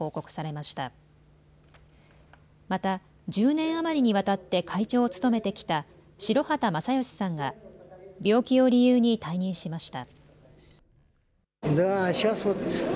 また１０年余りにわたって会長を務めてきた白畑正義さんが病気を理由に退任しました。